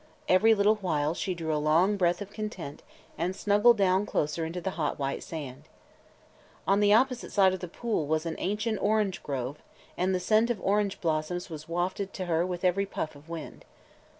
Every little while she drew a long breath of content and snuggled down closer into the hot white sand. On the opposite side of the pool was an ancient orange grove and the scent of orange blossoms was wafted to her with every puff of wind.